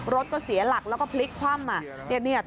รถก็เสียหลักแล้วก็พลิกคว่ำ